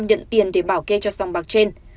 nhận tiền để bảo kê cho dòng bạc trên